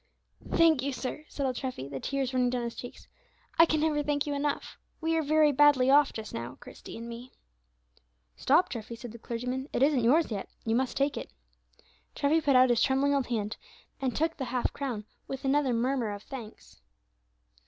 "Thank you, sir," said old Treffy, the tears running down his cheeks; "I can never thank you enough. We are very badly off just now, Christie and me." "Stop, Treffy," said the clergyman, "it isn't yours yet, you must take it." Treffy put out his trembling old hand, and took the half crown, with another murmur of thanks.